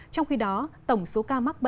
trong khi đó tổng số ca mắc bệnh